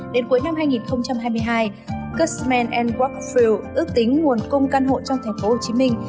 đến cuối năm hai nghìn hai mươi hai custman wafield ước tính nguồn cung căn hộ trong thành phố hồ chí minh